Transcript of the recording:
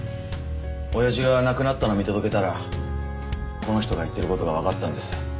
親父が亡くなったの見届けたらこの人が言ってることが分かったんです。